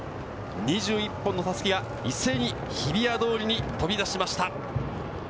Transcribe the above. ２１本のたすきが一斉に日比谷通りに飛び出しました。